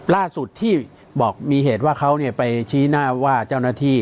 ล่าสุดที่บอกมีเหตุว่าเขาไปชี้หน้าว่าเจ้าหน้าที่